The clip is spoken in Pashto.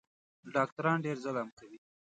ډاکټران ډېر ظلم کوي